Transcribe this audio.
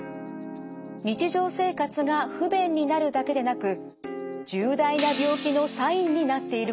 日常生活が不便になるだけでなく重大な病気のサインになっていることも。